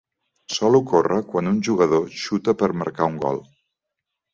Sol ocórrer quan un jugador xuta per a marcar un gol.